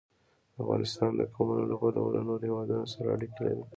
افغانستان د قومونه له پلوه له نورو هېوادونو سره اړیکې لري.